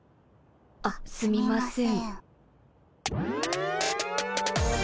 あっすみません。